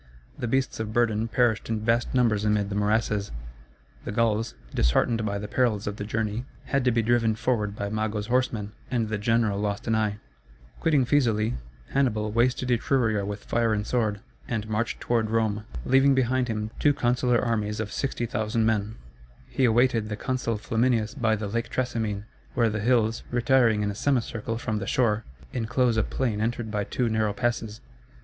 The beasts of burden perished in vast numbers amid the morasses; the Gauls, disheartened by the perils of the journey, had to be driven forward by Mago's horsemen, and the general lost an eye. Quitting Fæsulæ, Hannibal wasted Etruria with fire and sword, and marched toward Rome, leaving behind him two consular armies of 60,000 men. He awaited the consul Flaminius by the Lake Trasimene, where the hills, retiring in a semicircle from the shore, inclose a plain entered by two narrow passes.